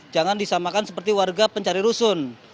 jangan disamakan seperti warga pencari rusun